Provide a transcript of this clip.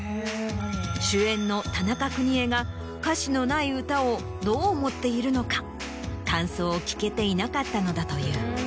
主演の田中邦衛が歌詞のない歌をどう思っているのか感想を聞けていなかったのだという。